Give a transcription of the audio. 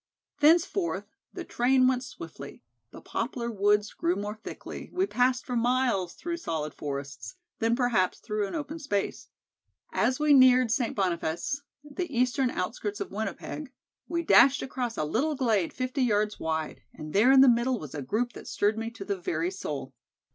Thenceforth the train went swiftly, the poplar woods grew more thickly we passed for miles through solid forests, then perhaps through an open space. As we neared St. Boniface, the eastern outskirts of Winnipeg, we dashed across a little glade fifty yards wide, and there in the middle was a group that stirred me to the very soul.